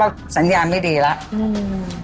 ก็สัญญาณไม่ดีแล้ว